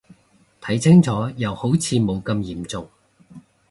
睇清楚又好似冇咁嚴重